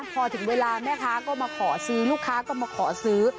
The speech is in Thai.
พอถึงเวลาแม่ค้าก็มาขอซื้อลูกค้าก็มาขอซื้อ